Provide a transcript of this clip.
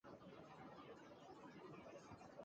它是一种暗红色易潮解的固体。